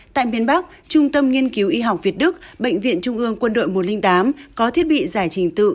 tại miền bắc trung tâm nghiên cứu y học việt đức bệnh viện trung ương quân đội một trăm linh tám có thiết bị giải trình tự